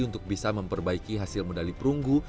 untuk bisa memperbaiki hasil medali perunggu